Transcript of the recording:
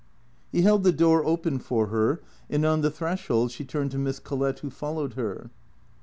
He held the door open for her, and on the threshold she turned to Miss Collett who followed her.